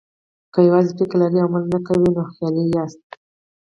که یوازې فکر لرئ او عمل نه کوئ، نو خیالي یاست.